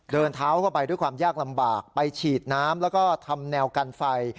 เดินเท้าเข้าไปด้วยความยากลำบากไปฉีดน้ำแล้วก็ทำแนวกันไฟ